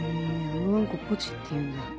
あのわんこポチっていうんだ。